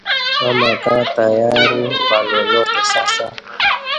Mama akawa tayari kwa lolote sasa